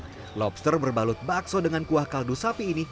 nah lobster berbalut bakso dengan kuah kaldu sapi ini